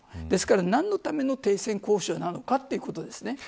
ですから、何のための停戦交渉なのかということです。